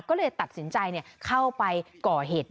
ก็เลยตัดสินใจเข้าไปก่อเหตุ